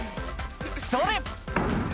「それ！」